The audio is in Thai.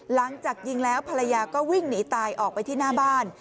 หลังจากยิงแล้วภรรยาก็วิ่งหนีตายออกไปที่หน้าบ้าน